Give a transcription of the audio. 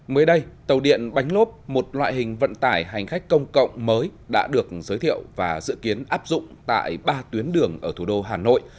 mới đây tàu điện bánh lốp một loại hình vận tải hành khách công cộng mới đã được giới thiệu và dự kiến áp dụng tại ba tuyến đường ở thủ đô hà nội